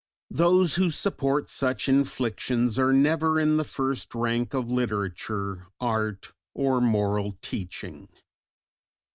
Those who support such inflictions are never in the first rank of literature, art, or moral teaching.